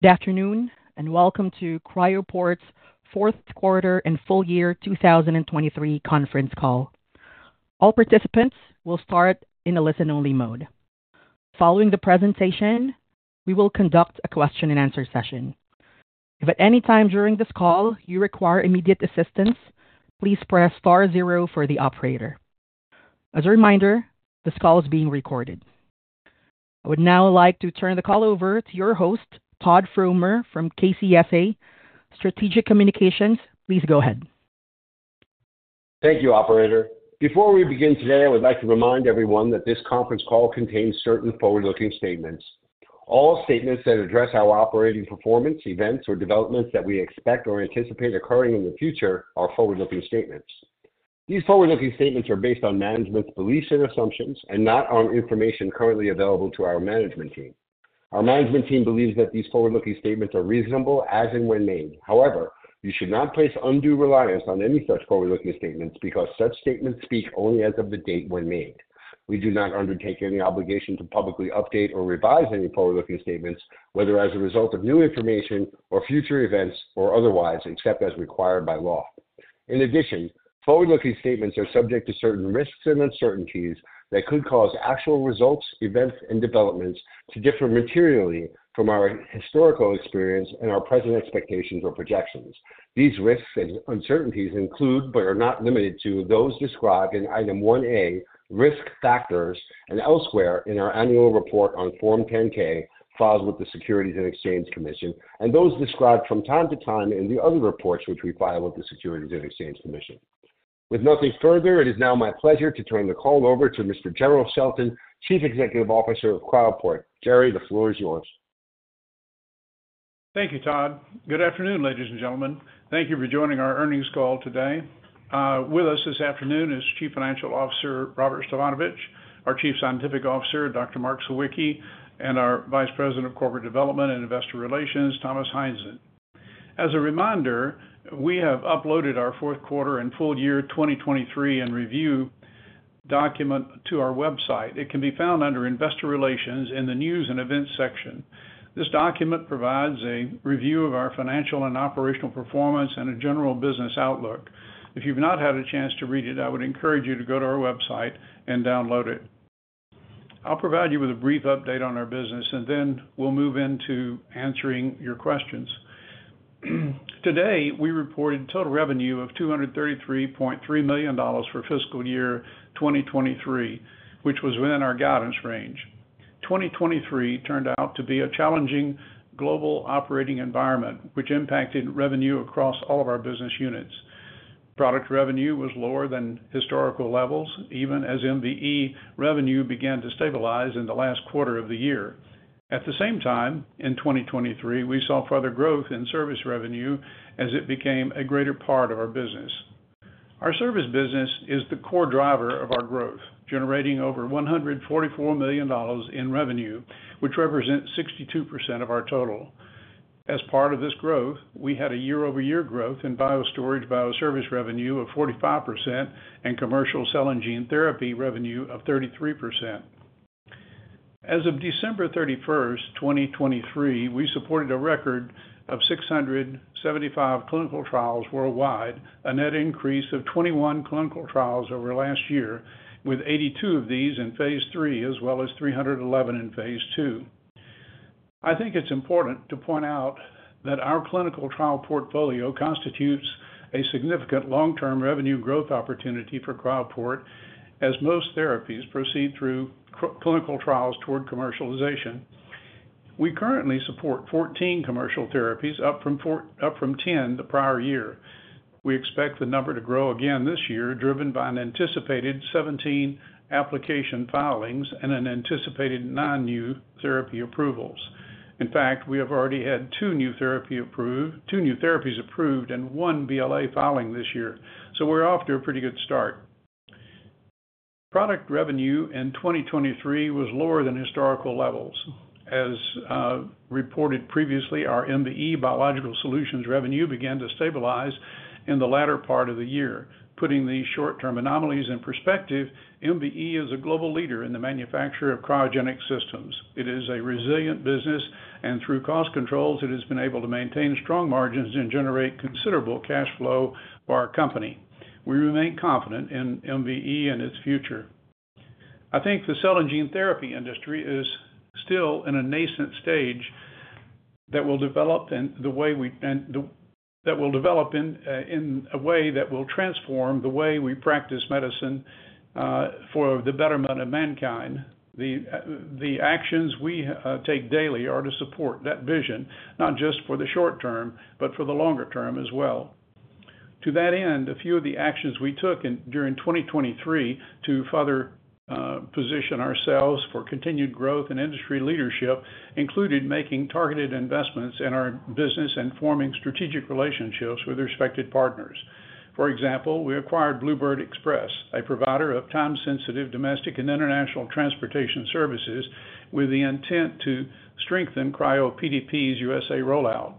Good afternoon and welcome to Cryoport's fourth quarter and full year 2023 conference call. All participants will start in a listen-only mode. Following the presentation, we will conduct a question-and-answer session. If at any time during this call you require immediate assistance, please press star zero for the operator. As a reminder, this call is being recorded. I would now like to turn the call over to your host, Todd Fromer, from KCSA Strategic Communications. Please go ahead. Thank you, operator. Before we begin today, I would like to remind everyone that this conference call contains certain forward-looking statements. All statements that address our operating performance, events, or developments that we expect or anticipate occurring in the future are forward-looking statements. These forward-looking statements are based on management's beliefs and assumptions and not on information currently available to our management team. Our management team believes that these forward-looking statements are reasonable as and when made. However, you should not place undue reliance on any such forward-looking statements because such statements speak only as of the date when made. We do not undertake any obligation to publicly update or revise any forward-looking statements, whether as a result of new information or future events or otherwise except as required by law. In addition, forward-looking statements are subject to certain risks and uncertainties that could cause actual results, events, and developments to differ materially from our historical experience and our present expectations or projections. These risks and uncertainties include but are not limited to those described in Item 1A, Risk Factors, and elsewhere in our annual report on Form 10-K filed with the Securities and Exchange Commission, and those described from time to time in the other reports which we file with the Securities and Exchange Commission. With nothing further, it is now my pleasure to turn the call over to Mr. Jerrell Shelton, Chief Executive Officer of Cryoport. Jerry, the floor is yours. Thank you, Todd. Good afternoon, ladies and gentlemen. Thank you for joining our earnings call today. With us this afternoon is Chief Financial Officer Robert Stefanovich, our Chief Scientific Officer Dr. Mark Sawicki, and our Vice President of Corporate Development and Investor Relations Thomas Heinzen. As a reminder, we have uploaded our fourth quarter and full year 2023 and review document to our website. It can be found under Investor Relations in the News and Events section. This document provides a review of our financial and operational performance and a general business outlook. If you've not had a chance to read it, I would encourage you to go to our website and download it. I'll provide you with a brief update on our business, and then we'll move into answering your questions. Today, we reported total revenue of $233.3 million for fiscal year 2023, which was within our guidance range. 2023 turned out to be a challenging global operating environment, which impacted revenue across all of our business units. Product revenue was lower than historical levels, even as MVE revenue began to stabilize in the last quarter of the year. At the same time, in 2023, we saw further growth in service revenue as it became a greater part of our business. Our service business is the core driver of our growth, generating over $144 million in revenue, which represents 62% of our total. As part of this growth, we had a year-over-year growth in BioStorage/BioServices revenue of 45% and commercial cell and gene therapy revenue of 33%. As of December 31, 2023, we supported a record of 675 clinical trials worldwide, a net increase of 21 clinical trials over last year, with 82 of these in Phase III as well as 311 in Phase II. I think it's important to point out that our clinical trial portfolio constitutes a significant long-term revenue growth opportunity for Cryoport as most therapies proceed through clinical trials toward commercialization. We currently support 14 commercial therapies, up from 10 the prior year. We expect the number to grow again this year, driven by an anticipated 17 application filings and an anticipated nine new therapy approvals. In fact, we have already had two new therapies approved and one BLA filing this year, so we're off to a pretty good start. Product revenue in 2023 was lower than historical levels. As reported previously, our MVE Biological Solutions revenue began to stabilize in the latter part of the year. Putting these short-term anomalies in perspective, MVE is a global leader in the manufacture of cryogenic systems. It is a resilient business, and through cost controls, it has been able to maintain strong margins and generate considerable cash flow for our company. We remain confident in MVE and its future. I think the cell and gene therapy industry is still in a nascent stage that will develop in a way that will transform the way we practice medicine for the betterment of mankind. The actions we take daily are to support that vision, not just for the short term but for the longer term as well. To that end, a few of the actions we took during 2023 to further position ourselves for continued growth and industry leadership included making targeted investments in our business and forming strategic relationships with respected partners. For example, we acquired Bluebird Express, a provider of time-sensitive domestic and international transportation services, with the intent to strengthen CRYOPDP's USA rollout.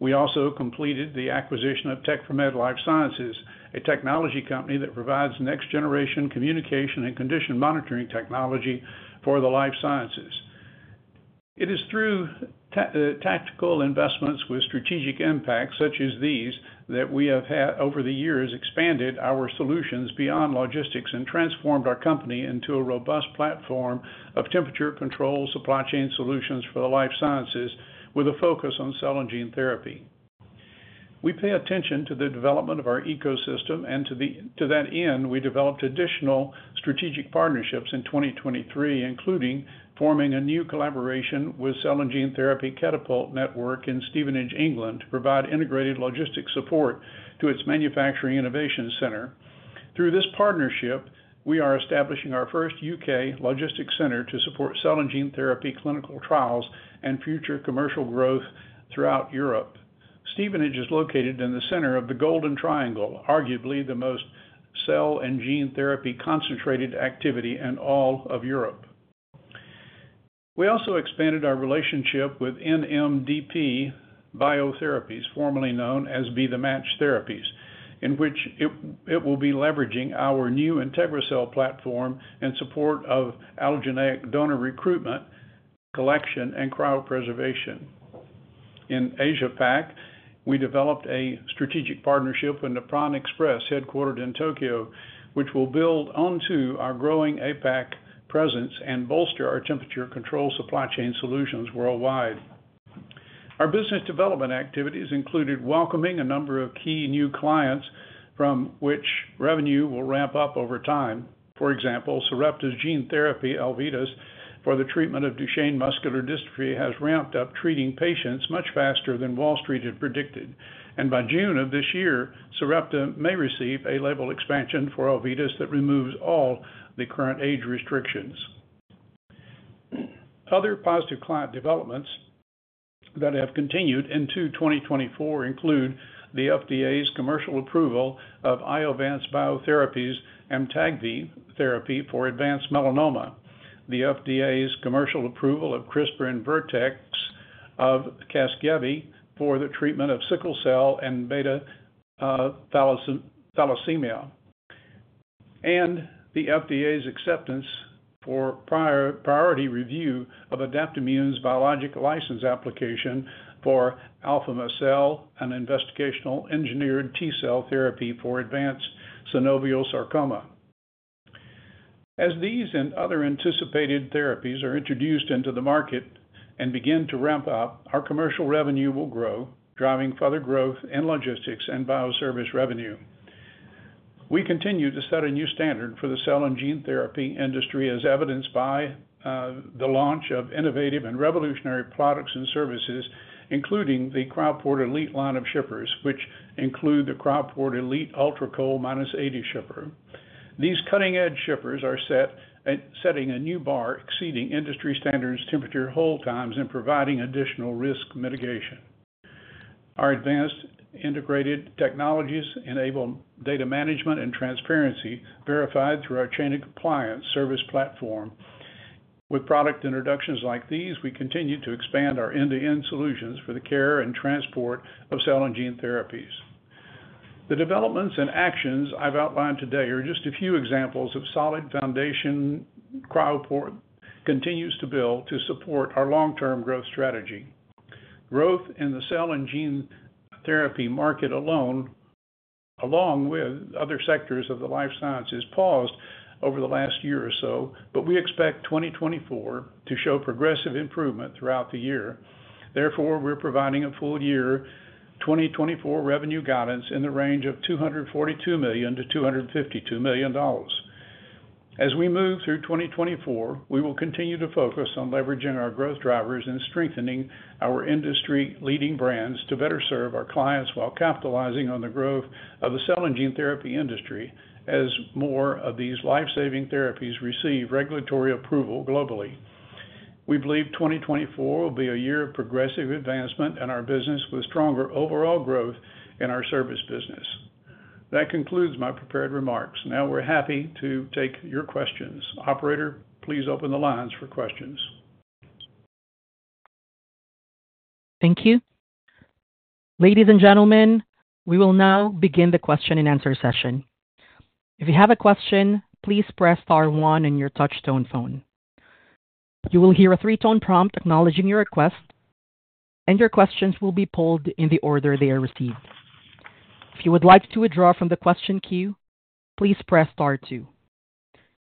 We also completed the acquisition of Tec4med Life Sciences, a technology company that provides next-generation communication and condition monitoring technology for the life sciences. It is through tactical investments with strategic impacts such as these that we have over the years expanded our solutions beyond logistics and transformed our company into a robust platform of temperature control supply chain solutions for the life sciences, with a focus on cell and gene therapy. We pay attention to the development of our ecosystem, and to that end, we developed additional strategic partnerships in 2023, including forming a new collaboration with Cell and Gene Therapy Catapult in Stevenage, England, to provide integrated logistics support to its manufacturing innovation center. Through this partnership, we are establishing our first U.K. logistics center to support cell and gene therapy clinical trials and future commercial growth throughout Europe. Stevenage is located in the center of the Golden Triangle, arguably the most cell and gene therapy concentrated activity in all of Europe. We also expanded our relationship with NMDP Biotherapies, formerly known as Be The Match Biotherapies, in which it will be leveraging our new IntegraCell platform and support of allogeneic donor recruitment, collection, and cryopreservation. In Asia-Pac, we developed a strategic partnership with Nippon Express headquartered in Tokyo, which will build onto our growing APAC presence and bolster our temperature control supply chain solutions worldwide. Our business development activities included welcoming a number of key new clients, from which revenue will ramp up over time. For example, Sarepta's gene therapy, Elevidys, for the treatment of Duchenne muscular dystrophy has ramped up treating patients much faster than Wall Street had predicted, and by June of this year, Sarepta may receive a label expansion for Elevidys that removes all the current age restrictions. Other positive client developments that have continued into 2024 include the FDA's commercial approval of Iovance Biotherapeutics' Amtagvi therapy for advanced melanoma, the FDA's commercial approval of CRISPR and Vertex of Casgevy for the treatment of sickle cell and beta thalassemia, and the FDA's acceptance for priority review of Adaptimmune's biologics license application for afami-cel and investigational engineered T-cell therapy for advanced synovial sarcoma. As these and other anticipated therapies are introduced into the market and begin to ramp up, our commercial revenue will grow, driving further growth in logistics and bioservice revenue. We continue to set a new standard for the cell and gene therapy industry, as evidenced by the launch of innovative and revolutionary products and services, including the Cryoport Elite line of shippers, which include the Cryoport Elite UltraCold -80 shipper. These cutting-edge shippers are setting a new bar exceeding industry standards temperature hold times and providing additional risk mitigation. Our advanced integrated technologies enable data management and transparency verified through our Chain of Compliance service platform. With product introductions like these, we continue to expand our end-to-end solutions for the care and transport of cell and gene therapies. The developments and actions I've outlined today are just a few examples of solid foundation Cryoport continues to build to support our long-term growth strategy. Growth in the cell and gene therapy market alone, along with other sectors of the life sciences, paused over the last year or so, but we expect 2024 to show progressive improvement throughout the year. Therefore, we're providing a full year 2024 revenue guidance in the range of $242 million-$252 million. As we move through 2024, we will continue to focus on leveraging our growth drivers and strengthening our industry-leading brands to better serve our clients while capitalizing on the growth of the cell and gene therapy industry as more of these life-saving therapies receive regulatory approval globally. We believe 2024 will be a year of progressive advancement in our business with stronger overall growth in our service business. That concludes my prepared remarks. Now we're happy to take your questions. Operator, please open the lines for questions. Thank you. Ladies and gentlemen, we will now begin the question and answer session. If you have a question, please press star one on your touch-tone phone. You will hear a three-tone prompt acknowledging your request, and your questions will be pulled in the order they are received. If you would like to withdraw from the question queue, please press star two.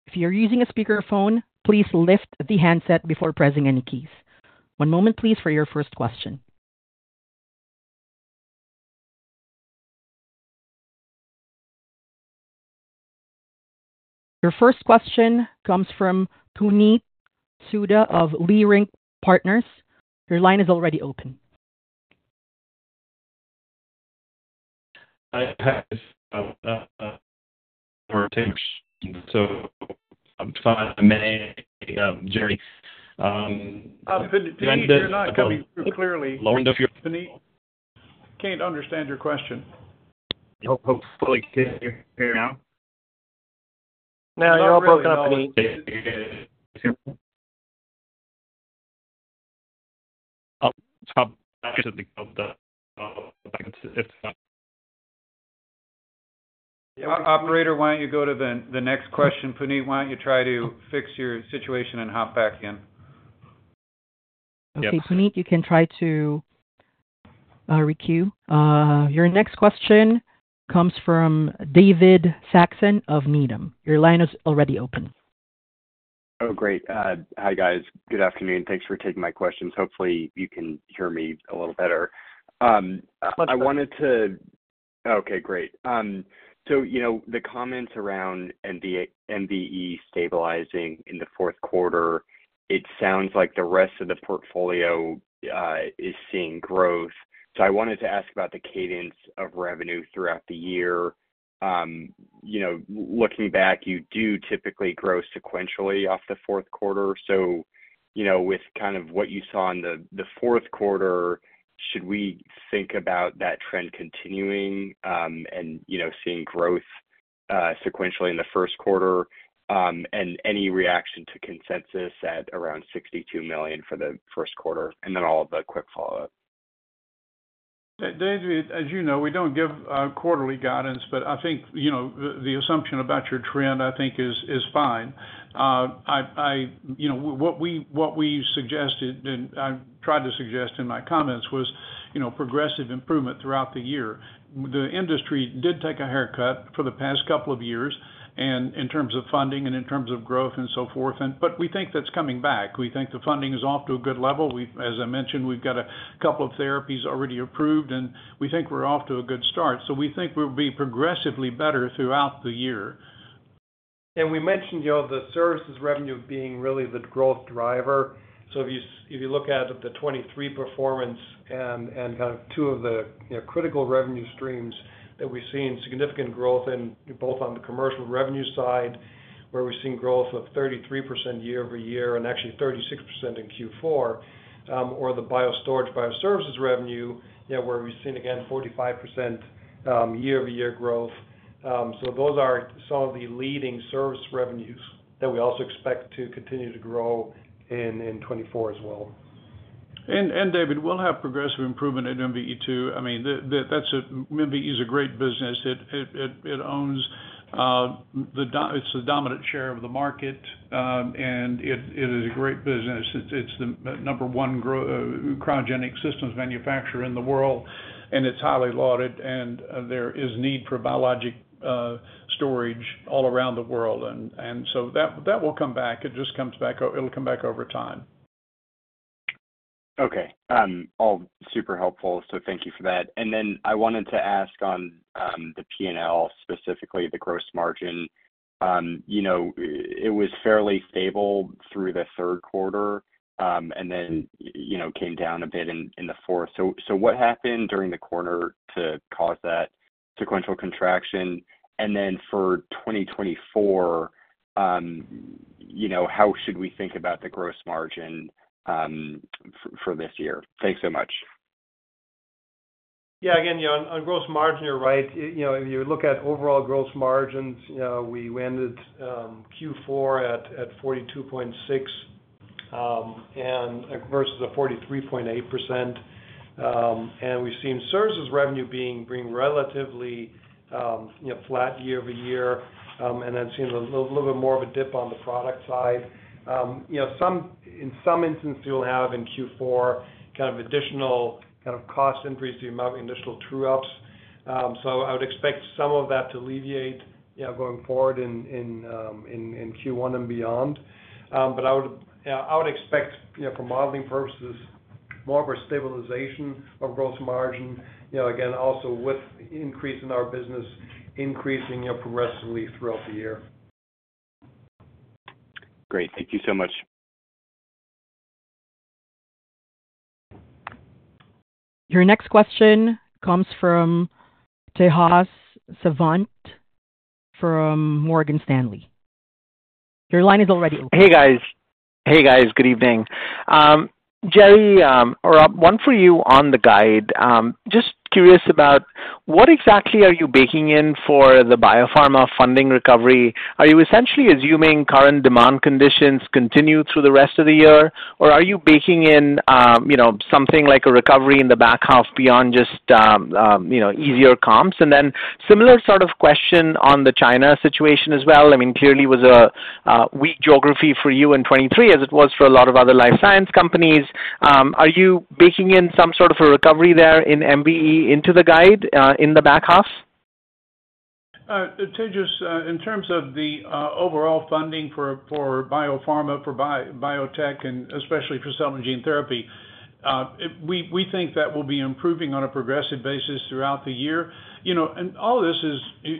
If you're using a speakerphone, please lift the handset before pressing any keys. One moment, please, for your first question. Your first question comes from Puneet Souda of Leerink Partners. Your line is already open. I have Robert, Thomas. So I'm fine. I may, Jerry. Puneet, you're not coming through clearly. Lauren, if you're— Puneet, I can't understand your question. Hopefully, I can hear you now. Now you're all broken up, Puneet. I'll hop back to the back if it's not. Operator, why don't you go to the next question? Puneet, why don't you try to fix your situation and hop back in? Okay, Puneet, you can try to re-queue. Your next question comes from David Saxon of Needham. Your line is already open. Oh, great. Hi guys. Good afternoon. Thanks for taking my questions. Hopefully, you can hear me a little better. I wanted to—okay, great. So the comments around MVE stabilizing in the fourth quarter, it sounds like the rest of the portfolio is seeing growth. So I wanted to ask about the cadence of revenue throughout the year. Looking back, you do typically grow sequentially off the fourth quarter. So with kind of what you saw in the fourth quarter, should we think about that trend continuing and seeing growth sequentially in the first quarter? And any reaction to consensus at around $62 million for the first quarter? And then all of the quick follow-up. David, as you know, we don't give quarterly guidance, but I think the assumption about your trend, I think, is fine. What we suggested and I tried to suggest in my comments was progressive improvement throughout the year. The industry did take a haircut for the past couple of years in terms of funding and in terms of growth and so forth, but we think that's coming back. We think the funding is off to a good level. As I mentioned, we've got a couple of therapies already approved, and we think we're off to a good start. So we think we'll be progressively better throughout the year. We mentioned the services revenue being really the growth driver. If you look at the 2023 performance and kind of two of the critical revenue streams that we've seen significant growth in, both on the commercial revenue side, where we've seen growth of 33% year-over-year and actually 36% in Q4, or the BioStorage/BioServices revenue, where we've seen, again, 45% year-over-year growth. Those are some of the leading service revenues that we also expect to continue to grow in 2024 as well. David, we'll have progressive improvement at MVE too. I mean, MVE is a great business. It owns the, it's the dominant share of the market, and it is a great business. It's the number one cryogenic systems manufacturer in the world, and it's highly lauded, and there is need for biologic storage all around the world. And so that will come back. It just comes back, it'll come back over time. Okay. All super helpful, so thank you for that. And then I wanted to ask on the P&L, specifically the gross margin. It was fairly stable through the third quarter and then came down a bit in the fourth. So what happened during the quarter to cause that sequential contraction? And then for 2024, how should we think about the gross margin for this year? Thanks so much. Yeah, again, on gross margin, you're right. If you look at overall gross margins, we ended Q4 at 42.6% versus 43.8%. And we've seen services revenue bringing relatively flat year over year and then seeing a little bit more of a dip on the product side. In some instances, you'll have in Q4 kind of additional kind of cost entries to your monthly initial true-ups. So I would expect some of that to alleviate going forward in Q1 and beyond. But I would expect, for modeling purposes, more of a stabilization of gross margin, again, also with increase in our business increasing progressively throughout the year. Great. Thank you so much. Your next question comes from Tejas Savant from Morgan Stanley. Your line is already open. Hey guys. Hey guys. Good evening. Jerry, one for you on the guide. Just curious about what exactly are you baking in for the biopharma funding recovery? Are you essentially assuming current demand conditions continue through the rest of the year, or are you baking in something like a recovery in the back half beyond just easier comps? And then similar sort of question on the China situation as well. I mean, clearly, it was a weak geography for you in 2023 as it was for a lot of other life science companies. Are you baking in some sort of a recovery there in MVE into the guide in the back half? Tejas, in terms of the overall funding for biopharma, for biotech, and especially for cell and gene therapy, we think that will be improving on a progressive basis throughout the year. All this is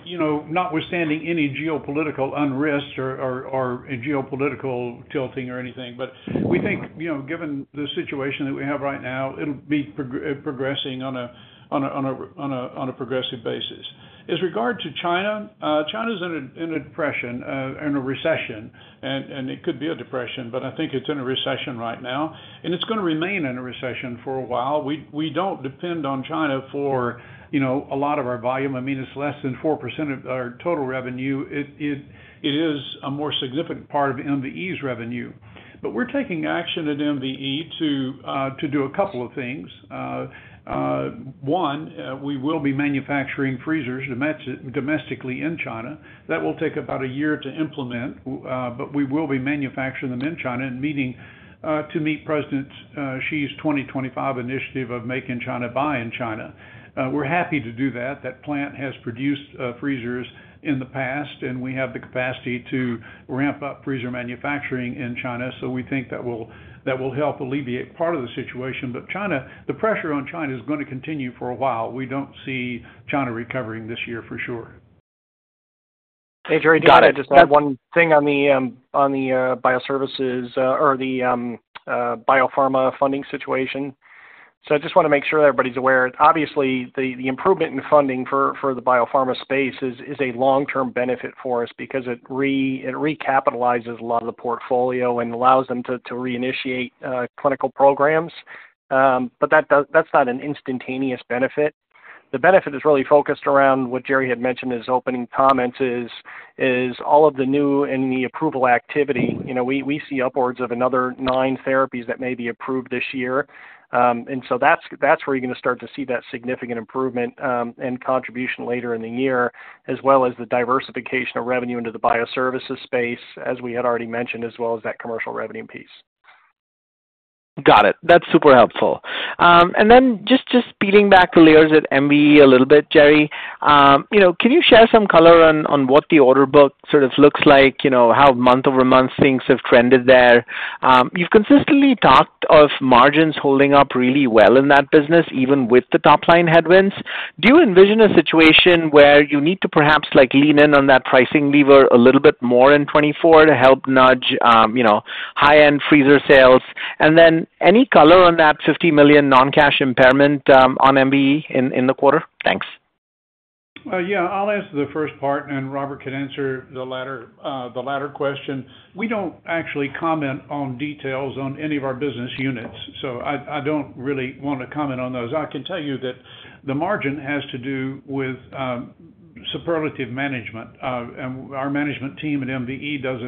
notwithstanding any geopolitical unrest or geopolitical tilting or anything, but we think, given the situation that we have right now, it'll be progressing on a progressive basis. With regard to China, China is in a depression and a recession, and it could be a depression, but I think it's in a recession right now, and it's going to remain in a recession for a while. We don't depend on China for a lot of our volume. I mean, it's less than 4% of our total revenue. It is a more significant part of MVE's revenue. We're taking action at MVE to do a couple of things. One, we will be manufacturing freezers domestically in China. That will take about a year to implement, but we will be manufacturing them in China and meeting President Xi's 2025 initiative of Make in China, Buy in China. We're happy to do that. That plant has produced freezers in the past, and we have the capacity to ramp up freezer manufacturing in China, so we think that will help alleviate part of the situation. But the pressure on China is going to continue for a while. We don't see China recovering this year for sure. Hey Jerry, do you want to just add one thing on the bioservices or the biopharma funding situation? So I just want to make sure everybody's aware. Obviously, the improvement in funding for the biopharma space is a long-term benefit for us because it recapitalizes a lot of the portfolio and allows them to reinitiate clinical programs. But that's not an instantaneous benefit. The benefit is really focused around what Jerry had mentioned in his opening comments, is all of the new in the approval activity. We see upwards of another nine therapies that may be approved this year. And so that's where you're going to start to see that significant improvement and contribution later in the year, as well as the diversification of revenue into the bioservices space, as we had already mentioned, as well as that commercial revenue piece. Got it. That's super helpful. And then just speeding back the layers at MVE a little bit, Jerry, can you share some color on what the order book sort of looks like, how month-over-month things have trended there? You've consistently talked of margins holding up really well in that business, even with the top-line headwinds. Do you envision a situation where you need to perhaps lean in on that pricing lever a little bit more in 2024 to help nudge high-end freezer sales? And then any color on that $50 million non-cash impairment on MVE in the quarter? Thanks. Yeah. I'll answer the first part, and Robert can answer the latter question. We don't actually comment on details on any of our business units, so I don't really want to comment on those. I can tell you that the margin has to do with superlative management. And our management team at MVE does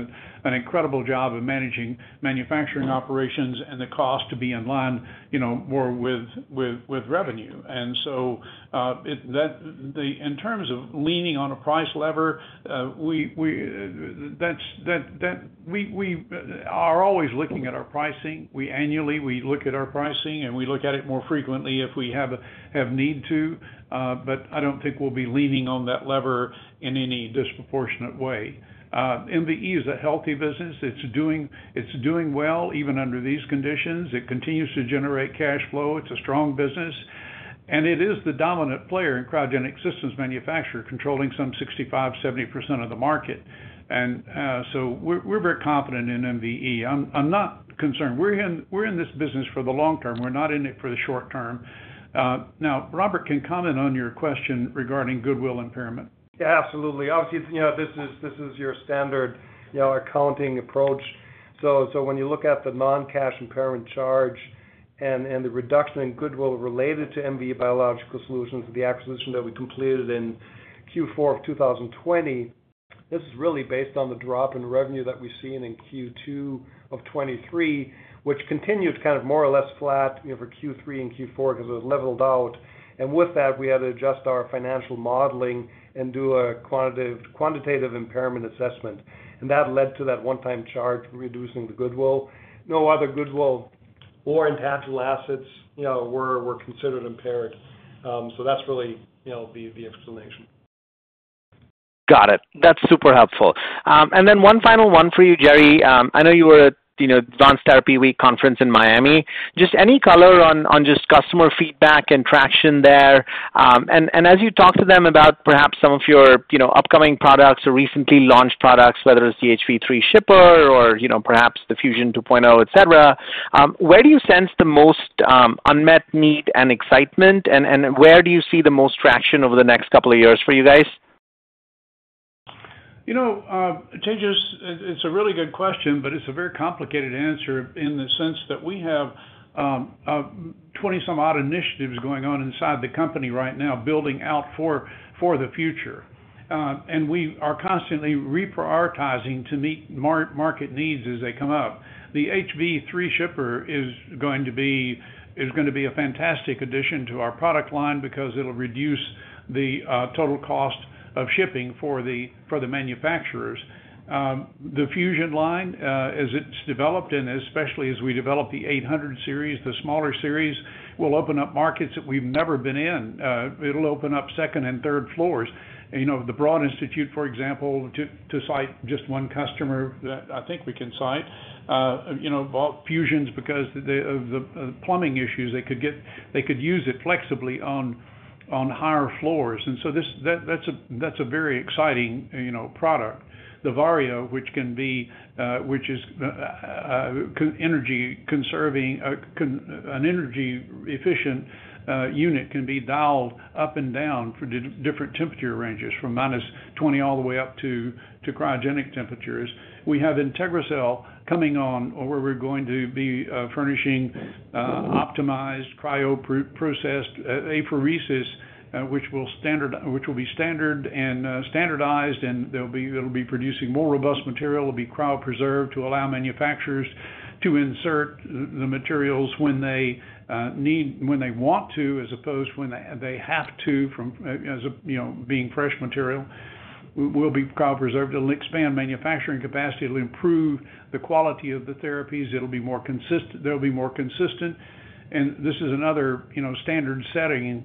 an incredible job of managing manufacturing operations and the cost to be in line more with revenue. And so in terms of leaning on a price lever, we are always looking at our pricing. Annually, we look at our pricing, and we look at it more frequently if we have need to. But I don't think we'll be leaning on that lever in any disproportionate way. MVE is a healthy business. It's doing well, even under these conditions. It continues to generate cash flow. It's a strong business. It is the dominant player in cryogenic systems manufacturer, controlling some 65%-70% of the market. So we're very confident in MVE. I'm not concerned. We're in this business for the long term. We're not in it for the short term. Now, Robert, can comment on your question regarding goodwill impairment? Yeah, absolutely. Obviously, this is your standard accounting approach. So when you look at the non-cash impairment charge and the reduction in goodwill related to MVE Biological Solutions, the acquisition that we completed in Q4 of 2020, this is really based on the drop in revenue that we've seen in Q2 of 2023, which continued kind of more or less flat for Q3 and Q4 because it was leveled out. And with that, we had to adjust our financial modeling and do a quantitative impairment assessment. And that led to that one-time charge reducing the goodwill. No other goodwill or intangible assets were considered impaired. So that's really the explanation. Got it. That's super helpful. And then one final one for you, Jerry. I know you were at Advanced Therapy Week conference in Miami. Just any color on just customer feedback and traction there? And as you talk to them about perhaps some of your upcoming products or recently launched products, whether it's the HV3 Shipper or perhaps the Fusion 2.0, etc., where do you sense the most unmet need and excitement? And where do you see the most traction over the next couple of years for you guys? Tejas, it's a really good question, but it's a very complicated answer in the sense that we have 20-some-odd initiatives going on inside the company right now building out for the future. We are constantly reprioritizing to meet market needs as they come up. The HV3 Shipper is going to be a fantastic addition to our product line because it'll reduce the total cost of shipping for the manufacturers. The Fusion line, as it's developed and especially as we develop the 800 series, the smaller series, will open up markets that we've never been in. It'll open up second and third floors. The Broad Institute, for example, to cite just one customer that I think we can cite, bought Fusions because of the plumbing issues. They could use it flexibly on higher floors. And so that's a very exciting product. The Vario, which is an energy-efficient unit, can be dialed up and down for different temperature ranges, from -20 all the way up to cryogenic temperatures. We have IntegraCell coming on where we're going to be furnishing optimized cryoprocessed apheresis, which will be standard and standardized, and it'll be producing more robust material. It'll be cryopreserved to allow manufacturers to insert the materials when they want to as opposed to when they have to as being fresh material. It will be cryopreserved. It'll expand manufacturing capacity. It'll improve the quality of the therapies. It'll be more consistent. There'll be more consistent. And this is another standard setting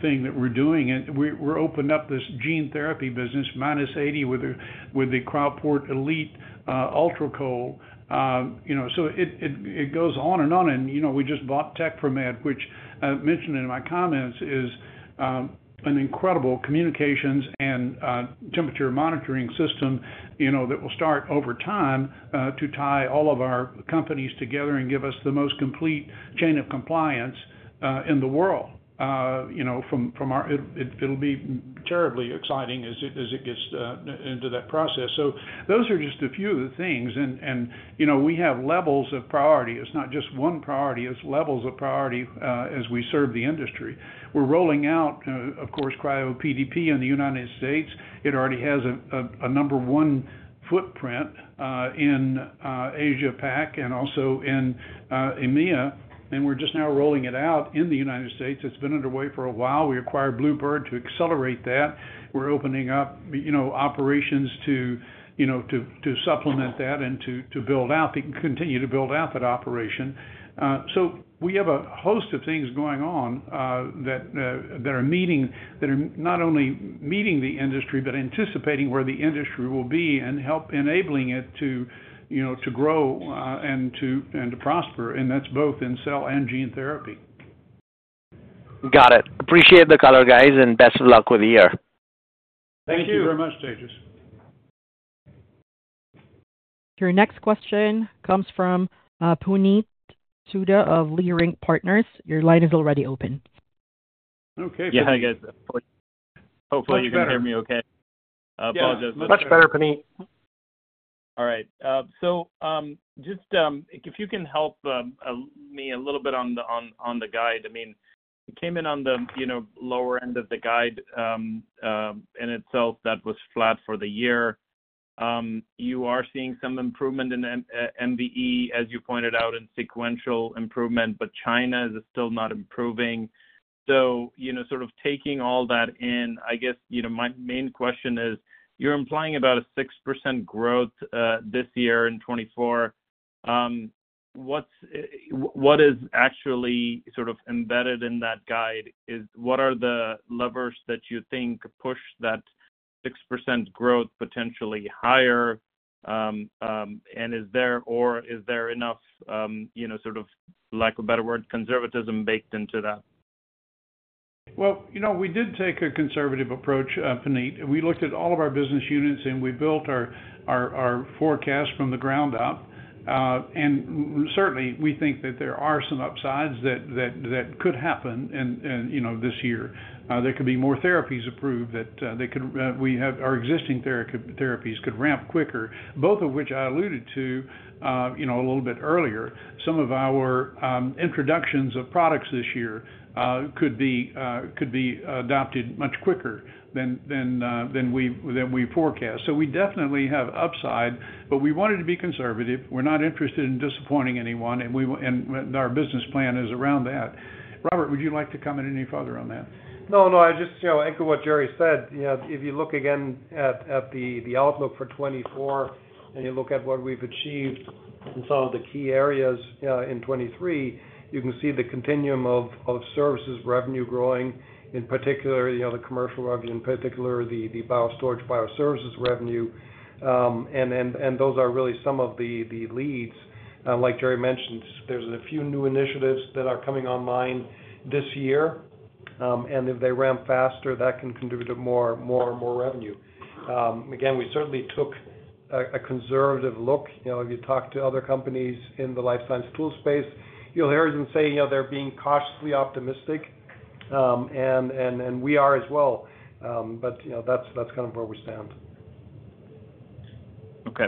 thing that we're doing. We're opening up this gene therapy business -80 with the Cryoport Elite UltraCold. So it goes on and on. And we just bought Tec4med, which I mentioned in my comments, is an incredible communications and temperature monitoring system that will start over time to tie all of our companies together and give us the most complete chain of compliance in the world. It'll be terribly exciting as it gets into that process. So those are just a few of the things. And we have levels of priority. It's not just one priority. It's levels of priority as we serve the industry. We're rolling out, of course, CRYOPDP in the United States. It already has a number one footprint in AsiaPac and also in EMEA. And we're just now rolling it out in the United States. It's been underway for a while. We acquired Bluebird to accelerate that. We're opening up operations to supplement that and to build out, continue to build out that operation. We have a host of things going on that are not only meeting the industry but anticipating where the industry will be and enabling it to grow and to prosper. That's both in cell and gene therapy. Got it. Appreciate the color, guys, and best of luck with the year. Thank you very much, Tejas. Your next question comes from Puneet Souda of Leerink Partners. Your line is already open. Okay. Yeah, hey guys. Hopefully, you can hear me okay. Apologize. Much better, Puneet. All right. So just if you can help me a little bit on the guide. I mean, it came in on the lower end of the guide in itself. That was flat for the year. You are seeing some improvement in MVE, as you pointed out, and sequential improvement, but China is still not improving. So sort of taking all that in, I guess my main question is, you're implying about a 6% growth this year in 2024. What is actually sort of embedded in that guide? What are the levers that you think push that 6% growth potentially higher? And is there or is there enough sort of, lack of a better word, conservatism baked into that? Well, we did take a conservative approach, Puneet. We looked at all of our business units, and we built our forecast from the ground up. Certainly, we think that there are some upsides that could happen this year. There could be more therapies approved that we have our existing therapies could ramp quicker, both of which I alluded to a little bit earlier. Some of our introductions of products this year could be adopted much quicker than we forecast. We definitely have upside, but we wanted to be conservative. We're not interested in disappointing anyone, and our business plan is around that. Robert, would you like to comment any further on that? No, no. I just echo what Jerry said. If you look again at the outlook for 2024 and you look at what we've achieved in some of the key areas in 2023, you can see the continuum of services revenue growing, in particular, the commercial revenue, in particular, the storage bioservices revenue. Those are really some of the leads. Like Jerry mentioned, there's a few new initiatives that are coming online this year. And if they ramp faster, that can contribute to more and more revenue. Again, we certainly took a conservative look. If you talk to other companies in the life science tool space, you'll hear them say they're being cautiously optimistic, and we are as well. But that's kind of where we stand. Okay.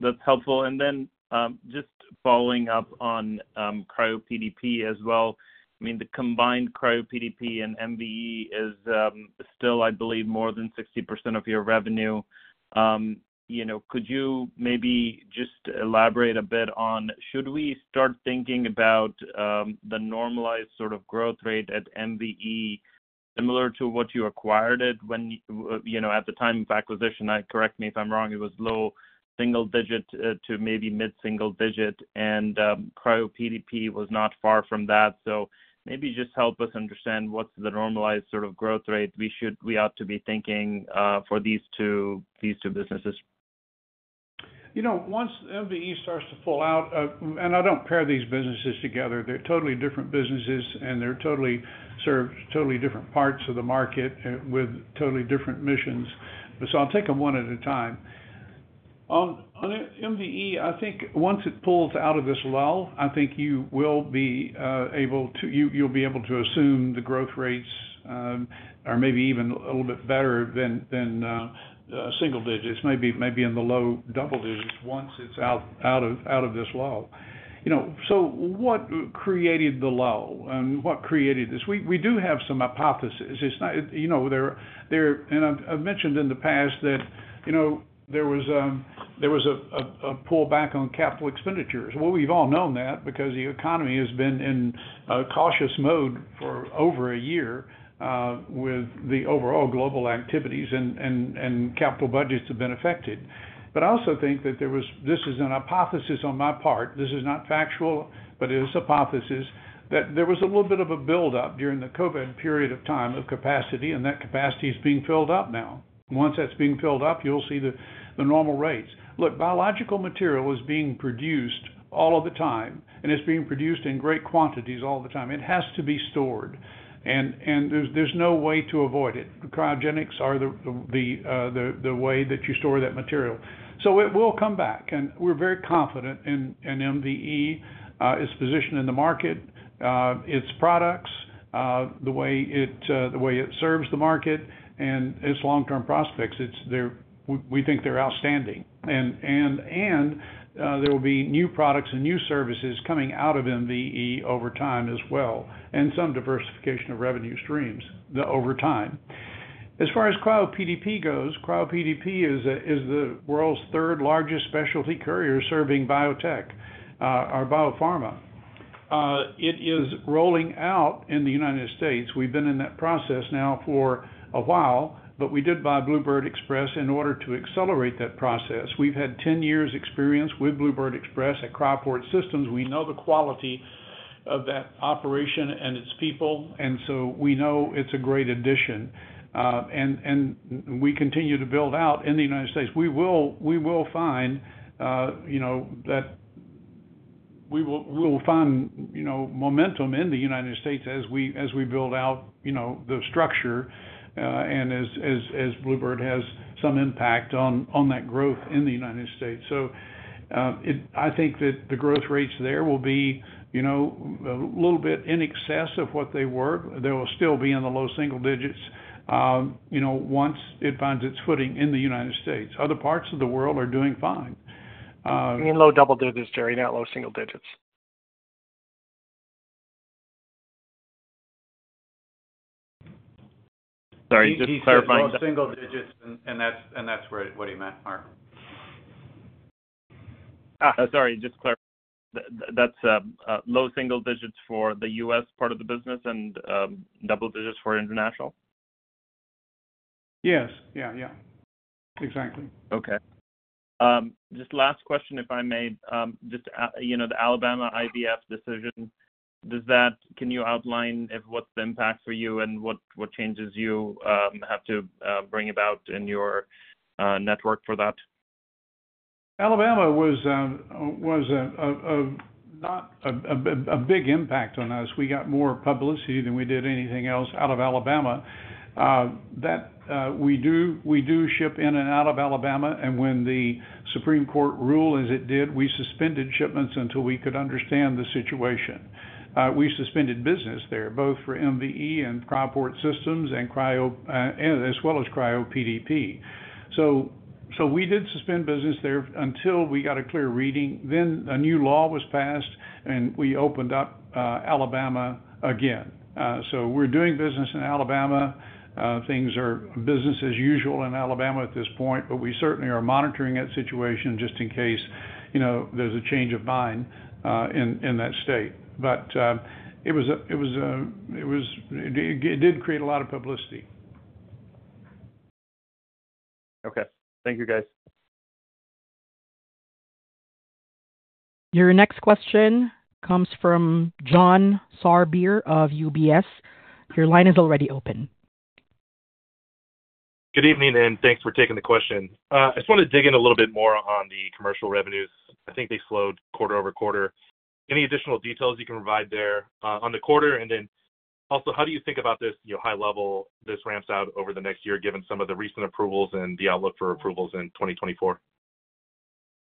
That's helpful. And then just following up on CRYOPDP as well. I mean, the combined CRYOPDP and MVE is still, I believe, more than 60% of your revenue. Could you maybe just elaborate a bit on should we start thinking about the normalized sort of growth rate at MVE similar to what you acquired it at the time of acquisition? Correct me if I'm wrong. It was low single-digit to maybe mid-single-digit, and CRYOPDP was not far from that. So maybe just help us understand what's the normalized sort of growth rate we ought to be thinking for these two businesses. Once MVE starts to pull out, and I don't pair these businesses together. They're totally different businesses, and they're totally serving totally different parts of the market with totally different missions. So I'll take them one at a time. On MVE, I think once it pulls out of this lull, I think you will be able to assume the growth rates are maybe even a little bit better than single digits, maybe in the low double digits once it's out of this lull. So what created the lull? And what created this? We do have some hypotheses. And I've mentioned in the past that there was a pullback on capital expenditures. Well, we've all known that because the economy has been in cautious mode for over a year with the overall global activities, and capital budgets have been affected. But I also think that there was. This is an hypothesis on my part. This is not factual, but it is a hypothesis that there was a little bit of a buildup during the COVID period of time of capacity, and that capacity is being filled up now. Once that's being filled up, you'll see the normal rates. Look, biological material is being produced all of the time, and it's being produced in great quantities all the time. It has to be stored, and there's no way to avoid it. Cryogenics are the way that you store that material. So it will come back, and we're very confident in MVE, its position in the market, its products, the way it serves the market, and its long-term prospects. We think they're outstanding. There will be new products and new services coming out of MVE over time as well and some diversification of revenue streams over time. As far as CRYOPDP goes, CRYOPDP is the world's third-largest specialty carrier serving biotech or biopharma. It is rolling out in the United States. We've been in that process now for a while, but we did buy Bluebird Express in order to accelerate that process. We've had 10 years' experience with Bluebird Express at Cryoport Systems. We know the quality of that operation and its people, and so we know it's a great addition. We continue to build out in the United States. We will find that we will find momentum in the United States as we build out the structure and as Bluebird has some impact on that growth in the United States. I think that the growth rates there will be a little bit in excess of what they were. They will still be in the low single digits once it finds its footing in the United States. Other parts of the world are doing fine. You mean low double digits, Jerry, not low single digits? Sorry, just clarifying. You mean low single digits, and that's what he meant, Mark? Sorry, just clarifying. That's low single digits for the U.S. part of the business and double digits for international? Yes. Yeah, yeah. Exactly. Okay. Just last question, if I may. Just the Alabama IVF decision, can you outline what's the impact for you and what changes you have to bring about in your network for that? Alabama was not a big impact on us. We got more publicity than we did anything else out of Alabama. We do ship in and out of Alabama. And when the Supreme Court ruled, as it did, we suspended shipments until we could understand the situation. We suspended business there, both for MVE and Cryoport Systems as well as CRYOPDP. So we did suspend business there until we got a clear reading. Then a new law was passed, and we opened up Alabama again. So we're doing business in Alabama. Things are business as usual in Alabama at this point, but we certainly are monitoring that situation just in case there's a change of mind in that state. But it was. It did create a lot of publicity. Okay. Thank you, guys. Your next question comes from John Sourbeer of UBS. Your line is already open. Good evening, and thanks for taking the question. I just want to dig in a little bit more on the commercial revenues. I think they slowed quarter-over-quarter. Any additional details you can provide there on the quarter? And then also, how do you think about this high level this ramps out over the next year given some of the recent approvals and the outlook for approvals in 2024?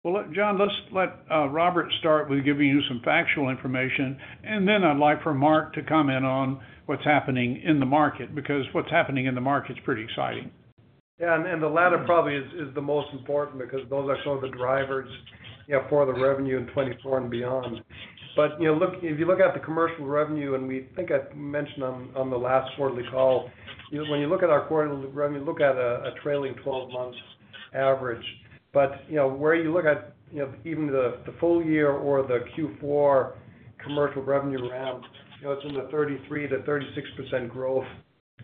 Well, John, let's let Robert start with giving you some factual information. And then I'd like for Mark to comment on what's happening in the market because what's happening in the market's pretty exciting. Yeah. And the latter probably is the most important because those are some of the drivers for the revenue in 2024 and beyond. But if you look at the commercial revenue, and I think I mentioned on the last quarterly call, when you look at our quarterly revenue, look at a trailing 12-month average. But where you look at even the full year or the Q4 commercial revenue ramp, it's in the 33%-36% growth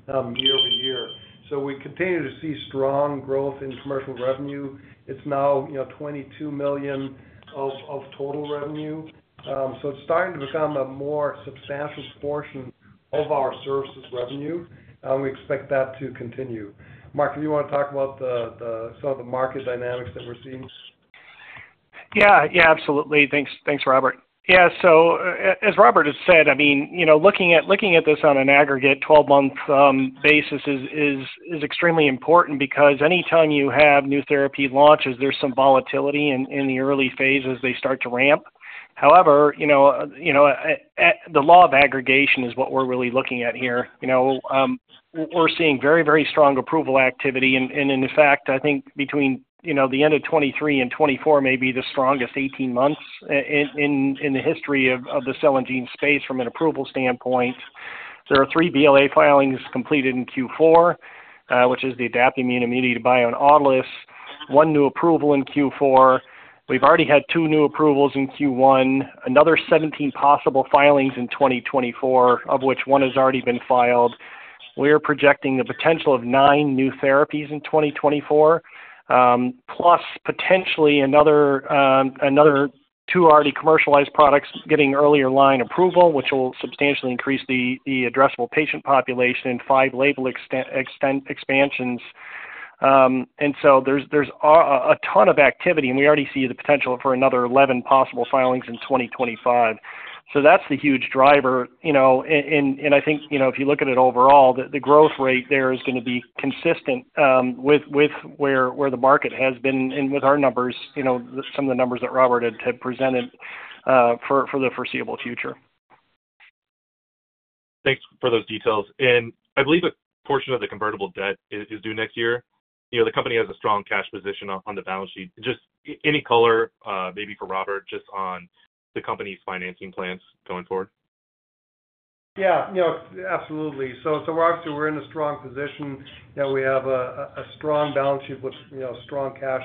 year-over-year. So we continue to see strong growth in commercial revenue. It's now $22 million of total revenue. So it's starting to become a more substantial portion of our services revenue, and we expect that to continue. Mark, if you want to talk about some of the market dynamics that we're seeing. Yeah, yeah, absolutely. Thanks, Robert. Yeah. So as Robert has said, I mean, looking at this on an aggregate 12-month basis is extremely important because anytime you have new therapy launches, there's some volatility in the early Phase as they start to ramp. However, the law of aggregation is what we're really looking at here. We're seeing very, very strong approval activity. And in fact, I think between the end of 2023 and 2024 may be the strongest 18 months in the history of the cell and gene space from an approval standpoint. There are 3 BLA filings completed in Q4, which is the Adaptimmune afami-cel, one new approval in Q4. We've already had two new approvals in Q1, another 17 possible filings in 2024, of which one has already been filed. We are projecting the potential of nine new therapies in 2024, plus potentially another two already commercialized products getting earlier line approval, which will substantially increase the addressable patient population and five label expansions. And so there's a ton of activity, and we already see the potential for another 11 possible filings in 2025. So that's the huge driver. And I think if you look at it overall, the growth rate there is going to be consistent with where the market has been and with our numbers, some of the numbers that Robert had presented for the foreseeable future. Thanks for those details. I believe a portion of the convertible debt is due next year. The company has a strong cash position on the balance sheet. Just any color, maybe for Robert, just on the company's financing plans going forward? Yeah, absolutely. So obviously, we're in a strong position. We have a strong balance sheet with strong cash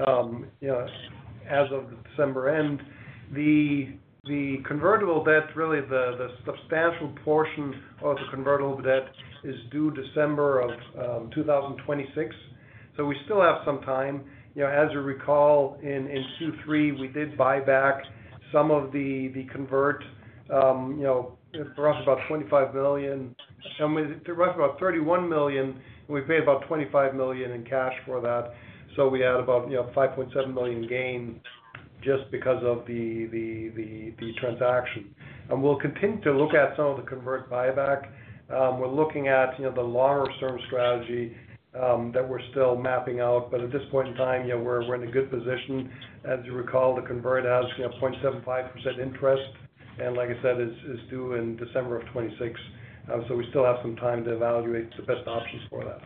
as of December end. The convertible debt, really the substantial portion of the convertible debt is due December of 2026. So we still have some time. As you recall, in Q3, we did buy back some of the convert for us about $25 million. And for us about $31 million, we paid about $25 million in cash for that. So we had about $5.7 million gain just because of the transaction. And we'll continue to look at some of the convert buyback. We're looking at the longer-term strategy that we're still mapping out. But at this point in time, we're in a good position. As you recall, the convert has 0.75% interest, and like I said, is due in December of 2026. We still have some time to evaluate the best options for that.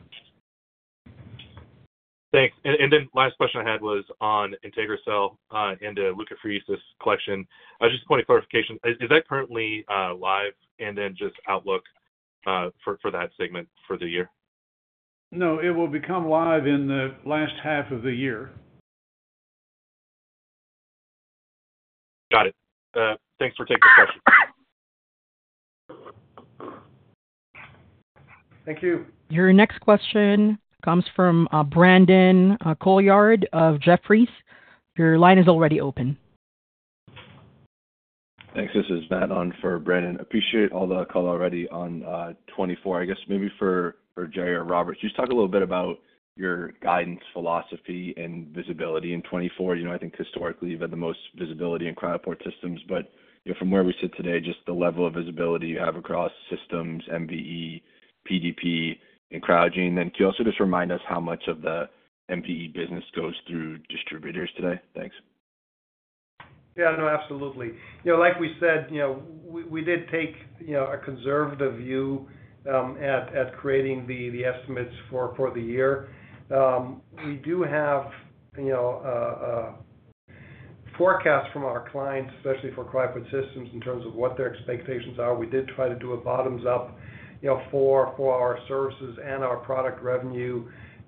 Thanks. And then last question I had was on IntegraCell and the leukapheresis collection. Just a point of clarification, is that currently live and then just outlook for that segment for the year? No, it will become live in the last half of the year. Got it. Thanks for taking the question. Thank you. Your next question comes from Brandon Couillard of Jefferies. Your line is already open. Thanks. This is Matt on for Brandon. Appreciate all the call already on 2024. I guess maybe for Jerry or Robert, just talk a little bit about your guidance, philosophy, and visibility in 2024. I think historically, you've had the most visibility in Cryoport Systems. But from where we sit today, just the level of visibility you have across systems, MVE, PDP, and Cryogene. And can you also just remind us how much of the MVE business goes through distributors today? Thanks. Yeah, no, absolutely. Like we said, we did take a conservative view at creating the estimates for the year. We do have forecasts from our clients, especially for Cryoport Systems, in terms of what their expectations are. We did try to do a bottoms-up for our services and our product revenue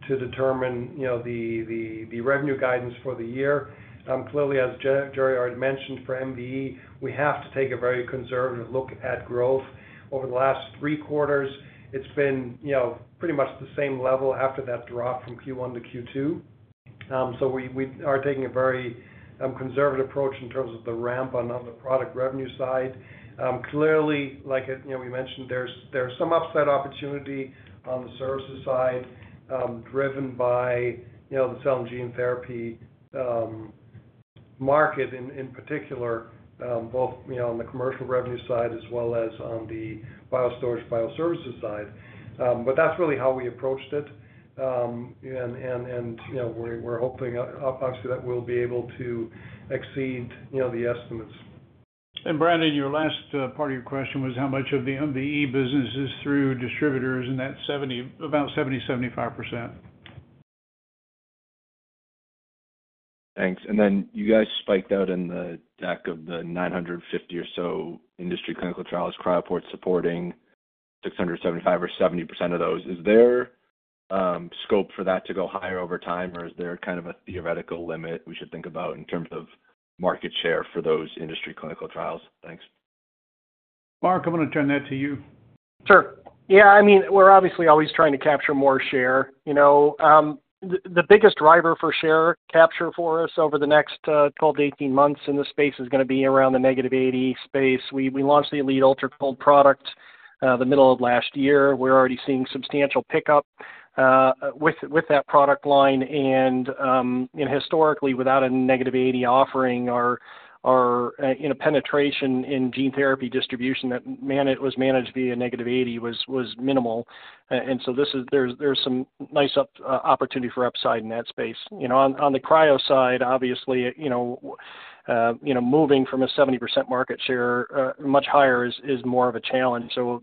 to determine the revenue guidance for the year. Clearly, as Jerry already mentioned, for MVE, we have to take a very conservative look at growth. Over the last three quarters, it's been pretty much the same level after that drop from Q1-Q2. So we are taking a very conservative approach in terms of the ramp on the product revenue side. Clearly, like we mentioned, there's some upside opportunity on the services side driven by the cell and gene therapy market in particular, both on the commercial revenue side as well as on the BioStorage/BioServices side. But that's really how we approached it. We're hoping, obviously, that we'll be able to exceed the estimates. Brandon, your last part of your question was how much of the MVE business is through distributors, and that's about 70%-75%. Thanks. And then you guys spelled out in the deck the 950 or so industry clinical trials Cryoport supporting, 675 or 70% of those. Is there scope for that to go higher over time, or is there kind of a theoretical limit we should think about in terms of market share for those industry clinical trials? Thanks. Mark, I'm going to turn that to you. Sure. Yeah, I mean, we're obviously always trying to capture more share. The biggest driver for share capture for us over the next 12-18 months in this space is going to be around the negative 80 space. We launched the Elite UltraCold product the middle of last year. We're already seeing substantial pickup with that product line. And historically, without a negative 80 offering, our penetration in gene therapy distribution that was managed via negative 80 was minimal. And so there's some nice opportunity for upside in that space. On the cryo side, obviously, moving from a 70% market share much higher is more of a challenge. So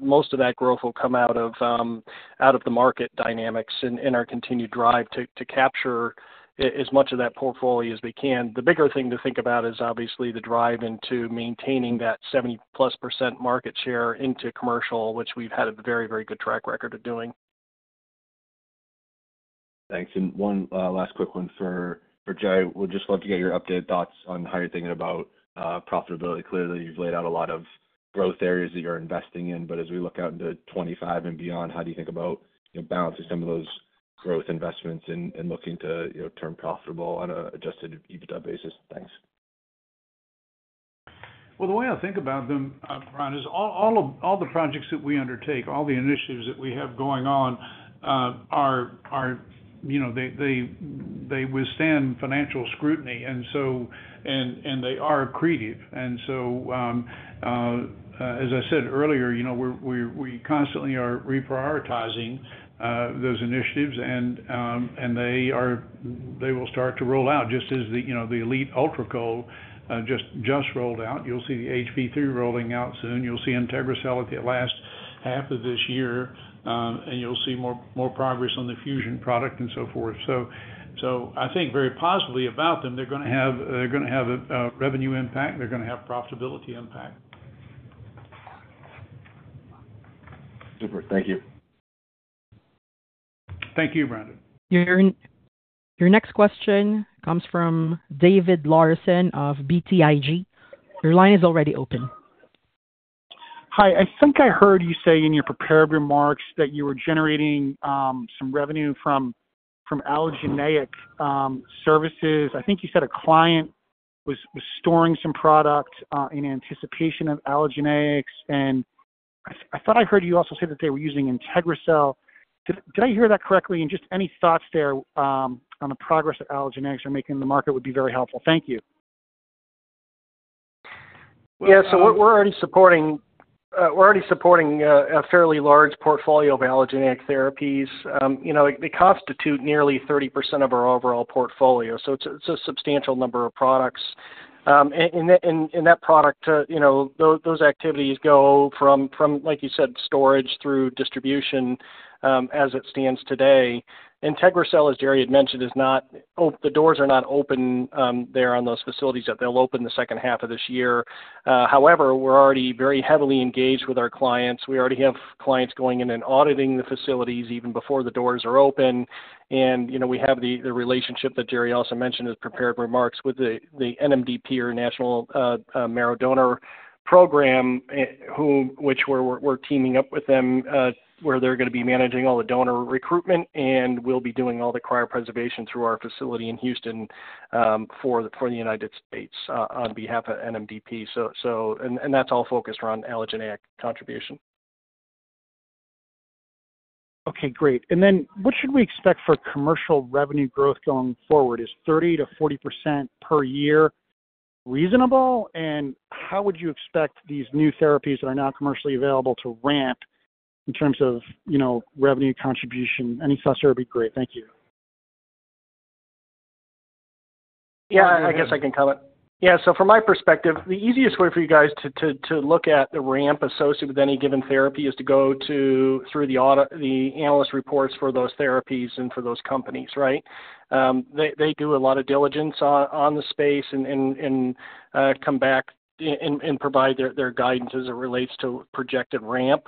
most of that growth will come out of the market dynamics and our continued drive to capture as much of that portfolio as we can. The bigger thing to think about is obviously the drive into maintaining that 70%+ market share into commercial, which we've had a very, very good track record of doing. Thanks. One last quick one for Jerry. We'd just love to get your updated thoughts on how you're thinking about profitability. Clearly, you've laid out a lot of growth areas that you're investing in. But as we look out into 2025 and beyond, how do you think about balancing some of those growth investments and looking to turn profitable on an adjusted EBITDA basis? Thanks. Well, the way I think about them, Brian, is all the projects that we undertake, all the initiatives that we have going on, they withstand financial scrutiny, and they are creative. And so as I said earlier, we constantly are reprioritizing those initiatives, and they will start to roll out just as the Elite UltraCold just rolled out. You'll see the HV3 rolling out soon. You'll see IntegraCell at the last half of this year, and you'll see more progress on the Fusion product and so forth. So I think very positively about them, they're going to have a revenue impact. They're going to have profitability impact. Super. Thank you. Thank you, Brandon. Your next question comes from David Larsen of BTIG. Your line is already open. Hi. I think I heard you say in your prepared remarks that you were generating some revenue from allogeneic services. I think you said a client was storing some product in anticipation of allogeneics. And I thought I heard you also say that they were using IntegraCell. Did I hear that correctly? And just any thoughts there on the progress that allogeneics are making in the market would be very helpful. Thank you. Yeah. So we're already supporting a fairly large portfolio of allogeneic therapies. They constitute nearly 30% of our overall portfolio. So it's a substantial number of products. And in that product, those activities go from, like you said, storage through distribution as it stands today. IntegraCell, as Jerry had mentioned, the doors are not open there on those facilities yet. They'll open the second half of this year. However, we're already very heavily engaged with our clients. We already have clients going in and auditing the facilities even before the doors are open. And we have the relationship that Jerry also mentioned in his prepared remarks with the NMDP, or National Marrow Donor Program, which we're teaming up with them where they're going to be managing all the donor recruitment and will be doing all the cryopreservation through our facility in Houston for the United States on behalf of NMDP. And that's all focused around allogeneic contribution. Okay. Great. And then what should we expect for commercial revenue growth going forward? Is 30%-40% per year reasonable? And how would you expect these new therapies that are now commercially available to ramp in terms of revenue contribution? Any thoughts there would be great. Thank you. Yeah. I guess I can comment. Yeah. From my perspective, the easiest way for you guys to look at the ramp associated with any given therapy is to go through the analyst reports for those therapies and for those companies, right? They do a lot of diligence on the space and come back and provide their guidance as it relates to projected ramp.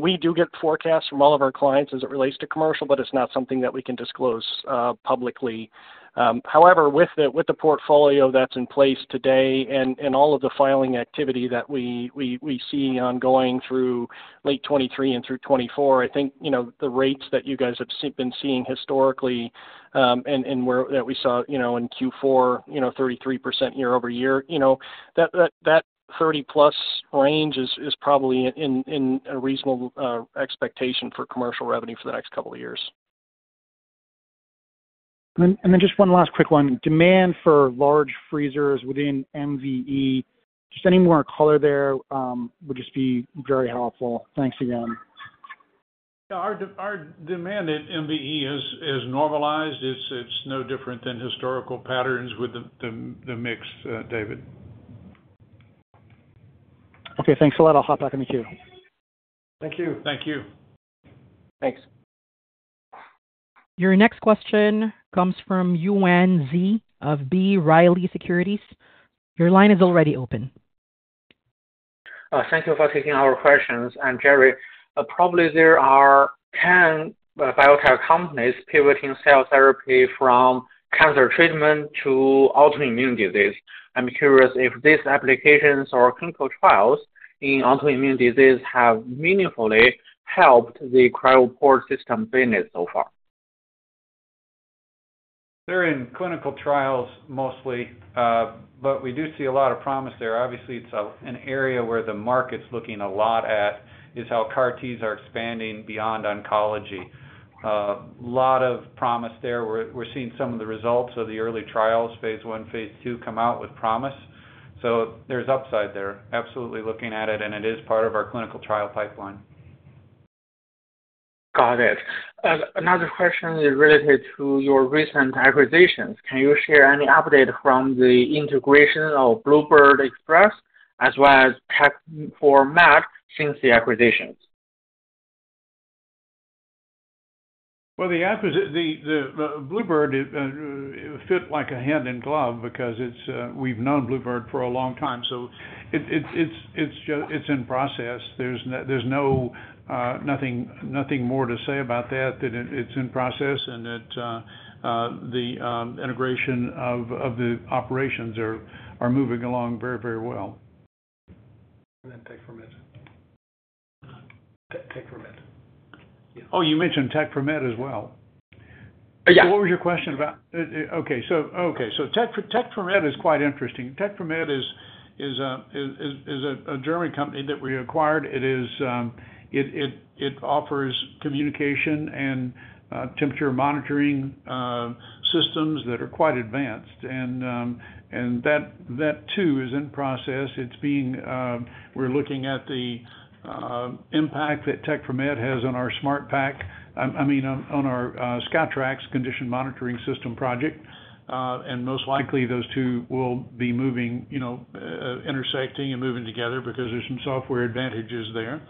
We do get forecasts from all of our clients as it relates to commercial, but it's not something that we can disclose publicly. However, with the portfolio that's in place today and all of the filing activity that we see ongoing through late 2023 and through 2024, I think the rates that you guys have been seeing historically and that we saw in Q4, 33% year-over-year, that 30+ range is probably in a reasonable expectation for commercial revenue for the next couple of years. Then just one last quick one. Demand for large freezers within MVE, just any more color there would just be very helpful. Thanks again. Yeah. Our demand at MVE has normalized. It's no different than historical patterns with the mix, David. Okay. Thanks a lot. I'll hop back on you too. Thank you. Thank you. Thanks. Your next question comes from Yuan Zhi of B. Riley Securities. Your line is already open. Thank you for taking our questions. Jerry, probably there are 10 biotech companies pivoting cell therapy from cancer treatment to autoimmune disease. I'm curious if these applications or clinical trials in autoimmune disease have meaningfully helped the Cryoport Systems business so far. They're in clinical trials mostly, but we do see a lot of promise there. Obviously, it's an area where the market's looking a lot at is how CAR-Ts are expanding beyond oncology. A lot of promise there. We're seeing some of the results of the early trials, Phase I, Phase II, come out with promise. So there's upside there, absolutely looking at it, and it is part of our clinical trial pipeline. Got it. Another question is related to your recent acquisitions. Can you share any update from the integration of Bluebird Express as well as Tec4med since the acquisitions? Well, Bluebird fit like a hand in glove because we've known Bluebird for a long time. So it's in process. There's nothing more to say about that than it's in process and that the integration of the operations are moving along very, very well. And then Tec4med. Tec4med. Yeah. Oh, you mentioned Tec4med as well. What was your question about? Okay. So Tec4med is quite interesting. Tec4med is a German company that we acquired. It offers communication and temperature monitoring systems that are quite advanced. And that too is in process. We're looking at the impact that Tec4med has on our SmartPak, I mean, on our SkyTrax condition monitoring system project. And most likely, those two will be intersecting and moving together because there's some software advantages there.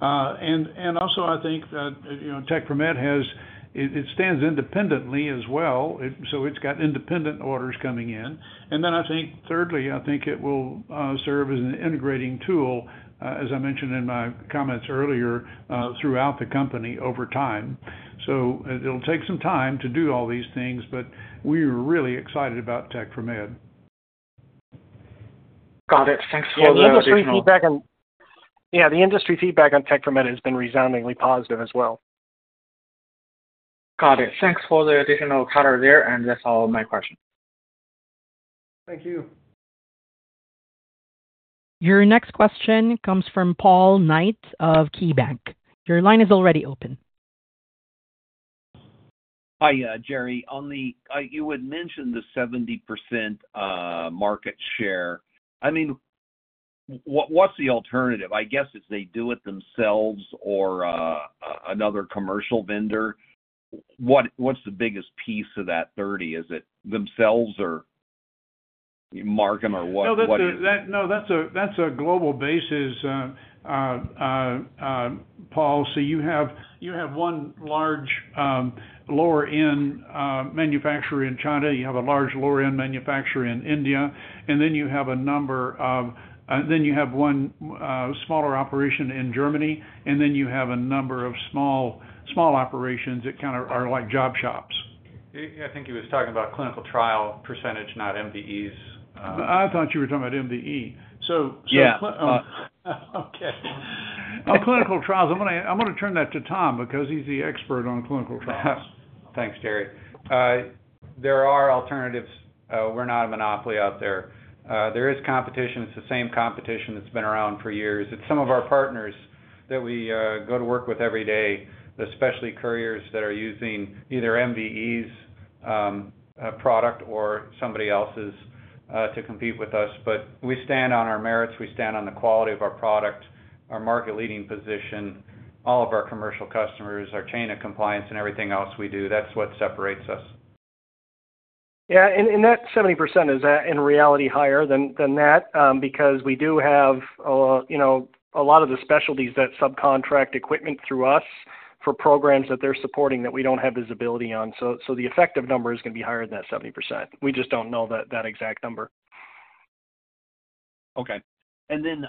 And also, I think Tec4med stands independently as well. So it's got independent orders coming in. And then thirdly, I think it will serve as an integrating tool, as I mentioned in my comments earlier, throughout the company over time. So it'll take some time to do all these things, but we are really excited about Tec4med. Got it. Thanks for the additional. Yeah. The industry feedback on Tec4med has been resoundingly positive as well. Got it. Thanks for the additional color there, and that's all my questions. Thank you. Your next question comes from Paul Knight of KeyBanc. Your line is already open. Hi, Jerry. You had mentioned the 70% market share. I mean, what's the alternative? I guess if they do it themselves or another commercial vendor, what's the biggest piece of that 30%? Is it themselves or Marken, or what? No, that's a global basis, Paul. So you have one large lower-end manufacturer in China. You have a large lower-end manufacturer in India. And then you have a number of, then you have one smaller operation in Germany. And then you have a number of small operations that kind of are like job shops. Yeah. I think he was talking about clinical trial percentage, not MVEs. I thought you were talking about MVE. So yeah. Okay. Clinical trials. I'm going to turn that to Tom because he's the expert on clinical trials. Yes. Thanks, Jerry. There are alternatives. We're not a monopoly out there. There is competition. It's the same competition that's been around for years. It's some of our partners that we go to work with every day, especially couriers that are using either MVE's product or somebody else's to compete with us. But we stand on our merits. We stand on the quality of our product, our market-leading position, all of our commercial customers, our Chain of Compliance, and everything else we do. That's what separates us. Yeah. And that 70%, is that in reality higher than that? Because we do have a lot of the specialties that subcontract equipment through us for programs that they're supporting that we don't have visibility on. So the effective number is going to be higher than that 70%. We just don't know that exact number. Okay. And then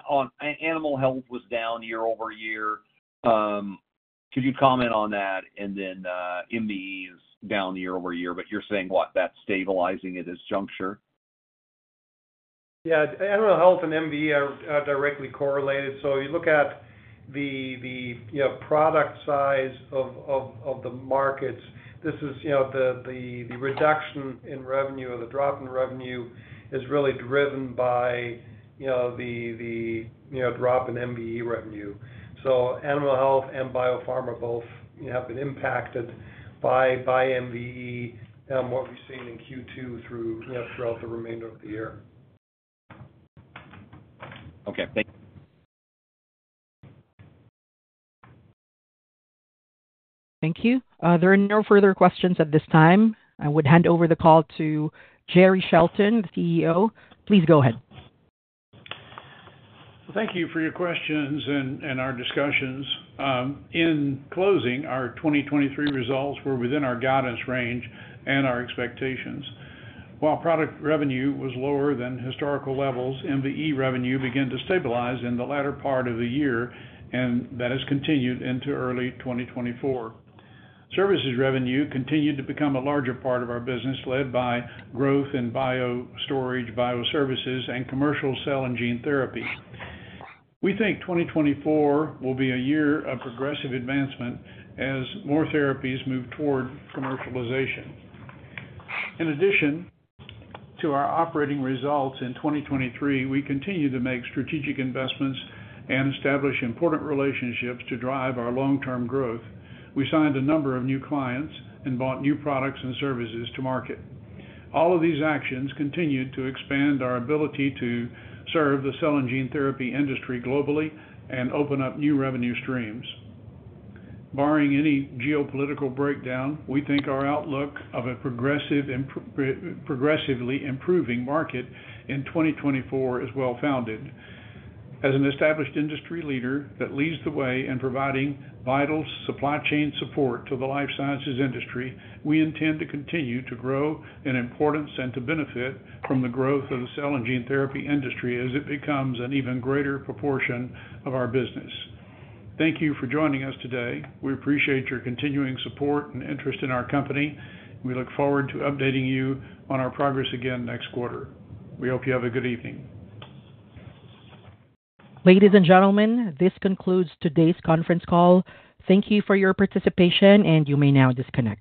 animal health was down year-over-year. Could you comment on that? And then MVE is down year-over-year. But you're saying, what, that's stabilizing at this juncture? Yeah. Animal health and MVE are directly correlated. So you look at the product size of the markets, this is the reduction in revenue or the drop in revenue is really driven by the drop in MVE revenue. So animal health and biopharma both have been impacted by MVE and what we've seen in Q2 throughout the remainder of the year. Okay. Thank you. Thank you. There are no further questions at this time. I would hand over the call to Jerrell Shelton, the CEO. Please go ahead. Well, thank you for your questions and our discussions. In closing, our 2023 results were within our guidance range and our expectations. While product revenue was lower than historical levels, MVE revenue began to stabilize in the latter part of the year, and that has continued into early 2024. Services revenue continued to become a larger part of our business, led by growth in biostorage, bioservices, and commercial cell and gene therapy. We think 2024 will be a year of progressive advancement as more therapies move toward commercialization. In addition to our operating results in 2023, we continue to make strategic investments and establish important relationships to drive our long-term growth. We signed a number of new clients and bought new products and services to market. All of these actions continued to expand our ability to serve the cell and gene therapy industry globally and open up new revenue streams. Barring any geopolitical breakdown, we think our outlook of a progressively improving market in 2024 is well-founded. As an established industry leader that leads the way in providing vital supply chain support to the life sciences industry, we intend to continue to grow in importance and to benefit from the growth of the cell and gene therapy industry as it becomes an even greater proportion of our business. Thank you for joining us today. We appreciate your continuing support and interest in our company. We look forward to updating you on our progress again next quarter. We hope you have a good evening. Ladies and gentlemen, this concludes today's conference call. Thank you for your participation, and you may now disconnect.